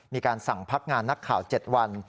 มีการสั่งพักงานนักข่าว๗วัน